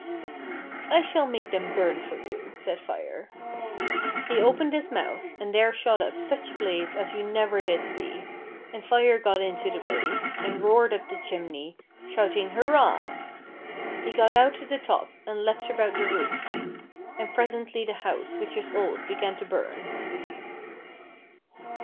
" I shall make them burn for you," said Fire. He opened his mouth, and there shot up such a blaze as you never did see, and Fire got into the blaze, and roared up the chimney, shouting Hurrah 1 He got out at the top, and leaped about the roof; and presently the house, which was old, began to burn.